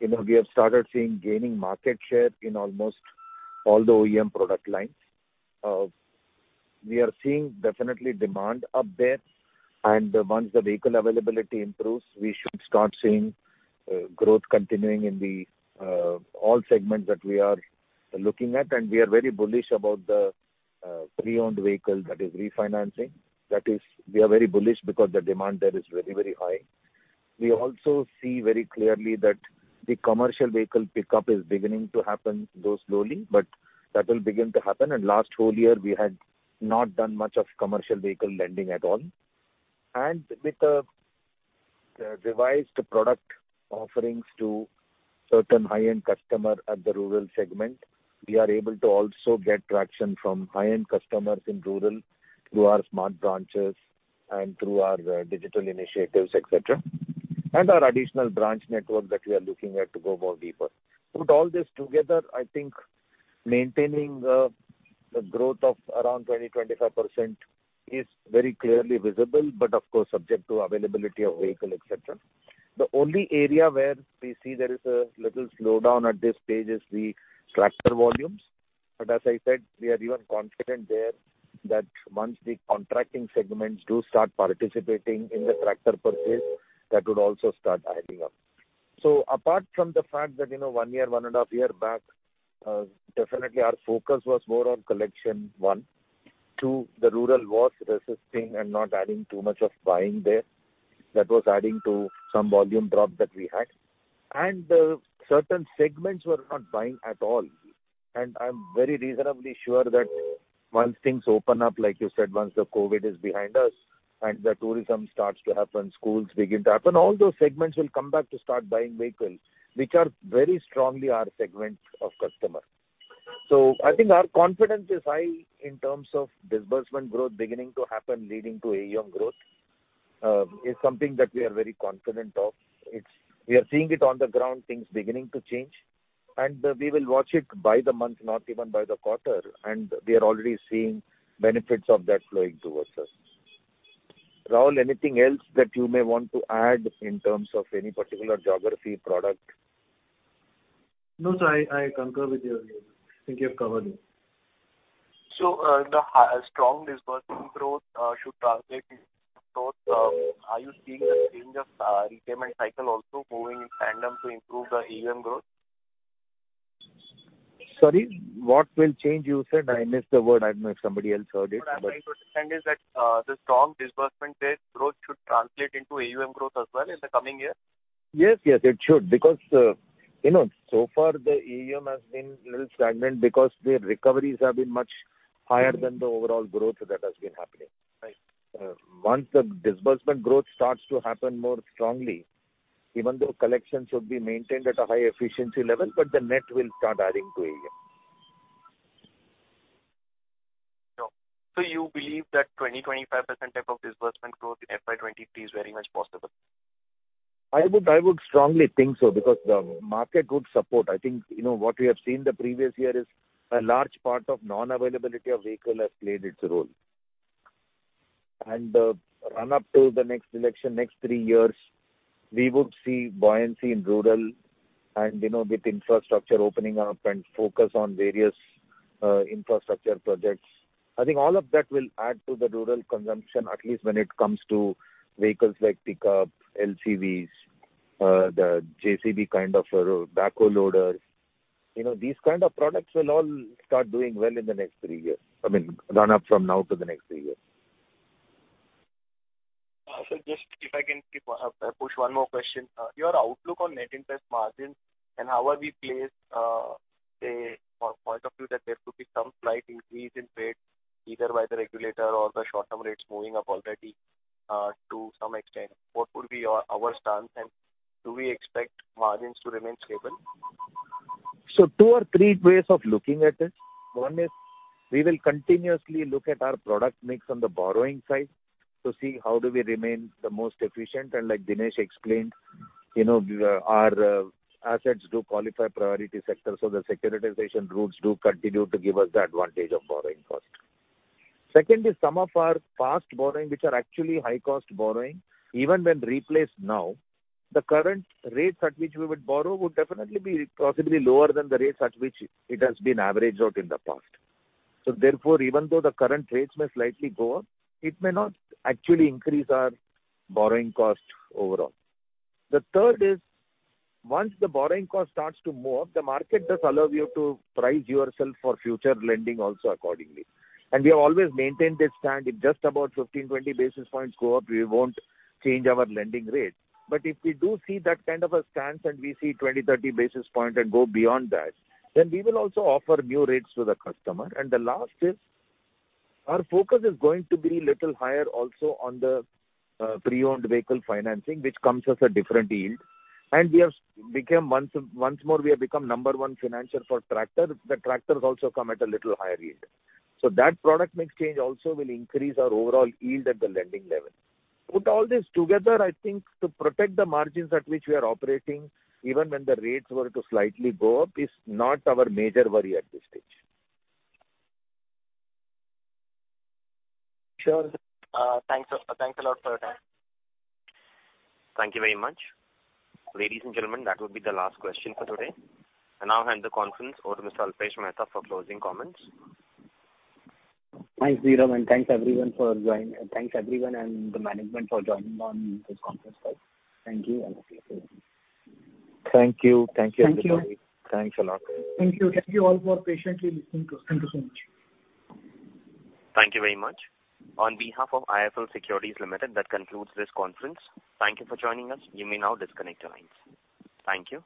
you know, we have started seeing gaining market share in almost all the OEM product lines. We are seeing definitely demand up there. Once the vehicle availability improves, we should start seeing growth continuing in the all segments that we are looking at. We are very bullish about the pre-owned vehicle that is refinancing. That is, we are very bullish because the demand there is very, very high. We also see very clearly that the commercial vehicle pickup is beginning to happen, though slowly, but that will begin to happen. Last whole year, we had not done much of commercial vehicle lending at all. With the revised product offerings to certain high-end customer at the rural segment, we are able to also get traction from high-end customers in rural through our smart branches and through our digital initiatives, et cetera, and our additional branch network that we are looking at to go more deeper. Put all this together, I think maintaining the growth of around 20%-25% is very clearly visible, but of course, subject to availability of vehicle, et cetera. The only area where we see there is a little slowdown at this stage is the tractor volumes. But as I said, we are even confident there that once the construction segments do start participating in the tractor purchase, that would also start adding up. Apart from the fact that, you know, one year, one and a half year back, definitely our focus was more on collection, one. Two, the rural was resisting and not adding too much of buying there. That was adding to some volume drop that we had. Certain segments were not buying at all. I'm very reasonably sure that once things open up, like you said, once the COVID is behind us and the tourism starts to happen, schools begin to happen, all those segments will come back to start buying vehicles, which are very strongly our segments of customers. I think our confidence is high in terms of disbursement growth beginning to happen, leading to AUM growth is something that we are very confident of. It's. We are seeing it on the ground, things beginning to change, and we will watch it by the month, not even by the quarter, and we are already seeing benefits of that flowing towards us. Rahul, anything else that you may want to add in terms of any particular geography, product? No, sir, I concur with you. I think you have covered it. The high, strong disbursement growth should translate into growth. Are you seeing a change of repayment cycle also moving in tandem to improve the AUM growth? Sorry, what will change, you said? I missed the word. I don't know if somebody else heard it, but. What I'm trying to understand is that, the strong disbursement there, growth should translate into AUM growth as well in the coming year. Yes. Yes, it should. Because, you know, so far the AUM has been a little stagnant because the recoveries have been much higher than the overall growth that has been happening. Right. Once the disbursement growth starts to happen more strongly, even though collections would be maintained at a high efficiency level, but the net will start adding to AUM. You believe that 20%-25% type of disbursement growth in FY 2023 is very much possible? I would strongly think so, because the market would support. I think, you know, what we have seen the previous year is a large part of non-availability of vehicle has played its role. The run up to the next election, next three years, we would see buoyancy in rural and, you know, with infrastructure opening up and focus on various, infrastructure projects. I think all of that will add to the rural consumption, at least when it comes to vehicles like pickup, LCVs, the JCB kind of or backhoe loaders. You know, these kind of products will all start doing well in the next three years. I mean, run up from now to the next three years. Just if I can push one more question. Your outlook on net interest margins and how are we placed, say from point of view that there could be some slight increase in rates either by the regulator or the short-term rates moving up already, to some extent. What would be your stance and do we expect margins to remain stable? Two or three ways of looking at it. One is we will continuously look at our product mix on the borrowing side to see how do we remain the most efficient. Like Dinesh explained, you know, our assets do qualify priority sector, so the securitization routes do continue to give us the advantage of borrowing cost. Second is some of our past borrowing, which are actually high cost borrowing, even when replaced now, the current rates at which we would borrow would definitely be possibly lower than the rates at which it has been averaged out in the past. Therefore, even though the current rates may slightly go up, it may not actually increase our borrowing cost overall. The third is once the borrowing cost starts to move, the market does allow you to price yourself for future lending also accordingly. We have always maintained this stand. If just about 15, 20 basis points go up, we won't change our lending rates. If we do see that kind of a stance and we see 20, 30 basis points and go beyond that, then we will also offer new rates to the customer. The last is our focus is going to be a little higher also on the pre-owned vehicle financing, which comes as a different yield. We have become once more we have become number one financier for tractors. The tractors also come at a little higher yield. That product mix change also will increase our overall yield at the lending level. Put all this together, I think to protect the margins at which we are operating, even when the rates were to slightly go up, is not our major worry at this stage. Sure. Thanks. Thanks a lot for your time. Thank you very much. Ladies and gentlemen, that would be the last question for today. I now hand the conference over to Mr. Alpesh Mehta for closing comments. Thanks, Dheeren, and thanks everyone for joining. Thanks, everyone and the management for joining on this conference call. Thank you and have a great day. Thank you. Thank you, everybody. Thank you. Thanks a lot. Thank you. Thank you all for patiently listening to us. Thank you so much. Thank you very much. On behalf of IIFL Securities Limited, that concludes this conference. Thank you for joining us. You may now disconnect your lines. Thank you.